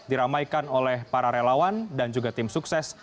diramaikan oleh para relawan dan juga tim sukses